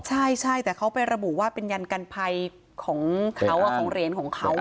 ใช่แต่เขาไประบุว่าเป็นยันกันภัยของเขาของเหรียญของเขา